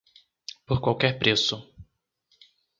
Por qualquer preço.